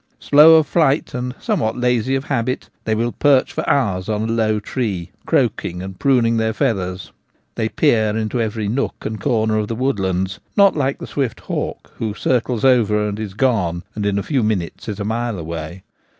Slow of flight and somewhat lazy of habit, they will perch for hours on a low tree, croaking and pruning their feathers ; they peer into every nook and corner of the woodlands, not like the swift hawk, who circles over and is gone and in a few minutes is a mile away.